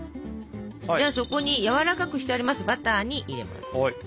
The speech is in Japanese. じゃあそこにやわらかくしてありますバターに入れます。